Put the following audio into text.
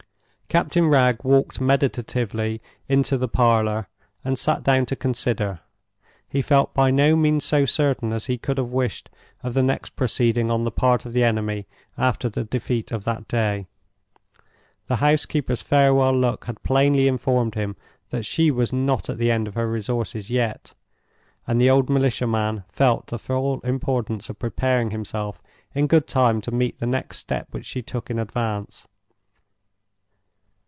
Captain Wragge walked meditatively into the parlor, and sat down to consider. He felt by no means so certain as he could have wished of the next proceeding on the part of the enemy after the defeat of that day. The housekeeper's farewell look had plainly informed him that she was not at the end of her resources yet, and the old militia man felt the full importance of preparing himself in good time to meet the next step which she took in advance.